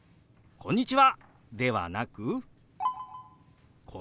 「こんにちは。